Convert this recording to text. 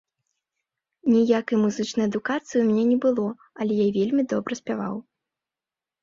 Ніякай музычнай адукацыі ў мяне не было, але я вельмі добра спяваў.